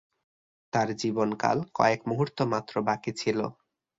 তার জীবনকাল কয়েক মুহুর্ত মাত্র বাকি ছিল।